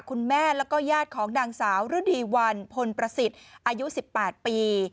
คุณแม่แล้วก็ญาติของนางสาวฤดีวันพลประสิทธิ์อายุ๑๘ปี